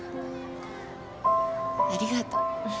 ありがとう。